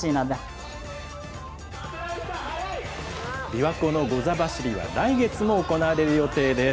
びわ湖のゴザ走りは、来月も行われる予定です。